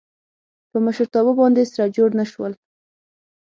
په مشرتابه باندې سره جوړ نه شول.